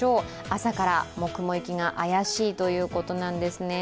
朝から雲行きが怪しいということなんですね。